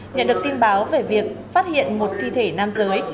nhận được tin báo về việc phát hiện một thi thể nam giới